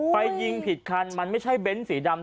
ไปยิงผิดคันมันไม่ใช่เบ้นสีดำ